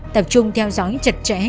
tập trung theo dõi chật chẽ